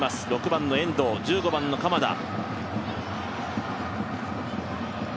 ６番の遠藤、１５番の鎌田。